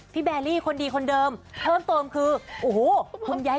พี่แบรี่คนดีคนเดิมเพิ่มเติมคือโอ้โหคุ้มใหญ่